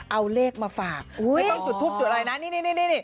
เอาเลขมาฝากไม่ต้องจุดทูปจุดอะไรนะนี่